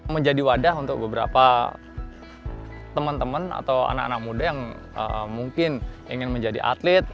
menjadi wadah untuk beberapa teman teman atau anak anak muda yang mungkin ingin menjadi atlet